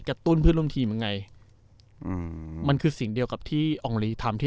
ตุ้นเพื่อนร่วมทีมยังไงอืมมันคือสิ่งเดียวกับที่อองลีทำที่